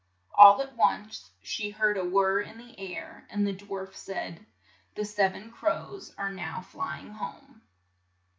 All at once she heard a whirr in the air, and the dwarf said, '' The sev en crows are now fly ing home.